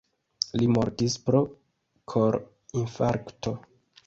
Li mortis pro kor-infarkto.